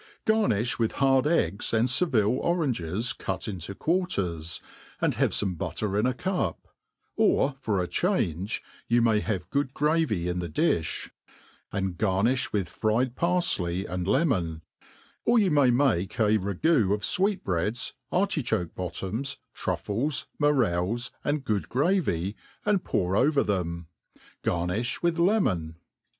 Garniftx with bard eggs and Sevrlfe oranges cut into quarters, and have ibme butter in a cop : or for change^ you m^y have good gravy in the difli, and garnifh with fried parfley and kmon ; •or you may make a ragoo of fwectbreads^ articboke lx)ttoms,' truffles, morels, and good gravy, aitd^ pour over them. Gar nifli with lemon.